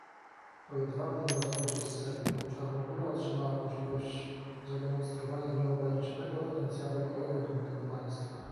Po "jedwabnym rozwodzie" z Serbią, Czarnogóra otrzymała możliwość zademonstrowania nieograniczonego potencjału małego, dumnego państwa